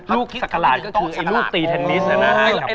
ลูกสักกะหลาดก็คือลูกตีเทนนิสนะฮะ